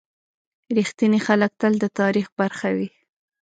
• رښتیني خلک تل د تاریخ برخه وي.